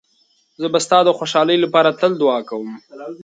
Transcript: زه به ستا د خوشحالۍ لپاره تل دعا کوم.